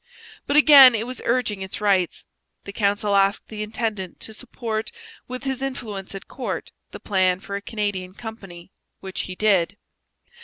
But again it was urging its rights. The council asked the intendant to support with his influence at court the plan for a Canadian company, which he did.